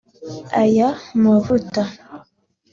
Aya mavuta